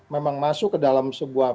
memang masuk ke dalam sebuah